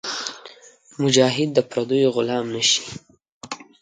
مجاهد د پردیو غلام نهشي.